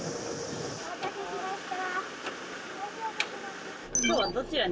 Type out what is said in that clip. お待たせしました。